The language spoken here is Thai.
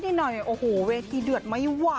เป็นอย่างไรเซ็กฎ้าละ